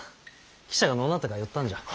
汽車がのうなったから寄ったんじゃ。